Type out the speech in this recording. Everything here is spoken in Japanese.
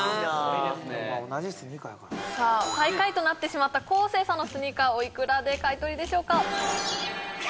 最下位となってしまった昴生さんのスニーカーおいくらで買い取りでしょうか？